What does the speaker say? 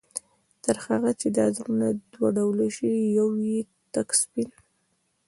تر هغه چي دا زړونه دوه ډوله شي، يو ئې تك سپين